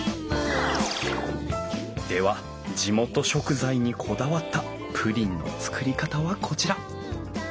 では地元食材にこだわったプリンの作り方はこちら！